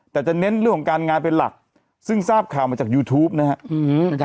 แต่จะเน้นเรื่องของการงานเป็นหลักซึ่งทราบข่าวมาจากยูทูปนะครับ